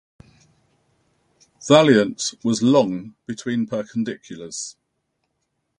"Valiant" was long between perpendiculars.